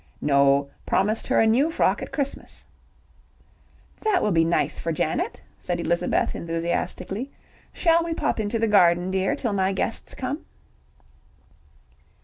"No. Promised her a new frock at Christmas." "That will be nice for Janet," said Elizabeth enthusiastically. "Shall we pop into the garden, dear, till my guests come?"